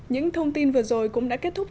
những thông tin vừa rồi cũng đã kết thúc